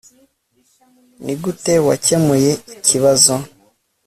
nigute wakemuye ikibazo